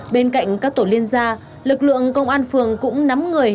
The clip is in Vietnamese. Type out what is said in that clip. bên cạnh các tổ liên gia lực lượng công an phường cũng nắm người